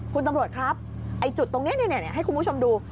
คุณตำรวจครับให้คุณผู้ชมดู